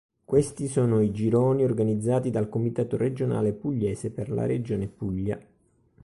Questi sono i gironi organizzati dal Comitato Regionale Pugliese per la regione Puglia.